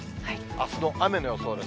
あすの雨の予想です。